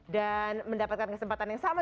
dan mendapatkan kesempatan yang sama